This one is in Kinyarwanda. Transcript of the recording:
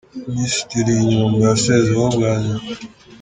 Minisitiri Inyumba yasezeweho bwa nyuma